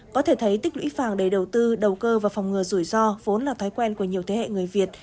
có thể thấy tích lũy vàng đầy đầu tư đầu cơ và phòng ngừa rủi ro vốn là thói quen của nhiều thế hệ người việt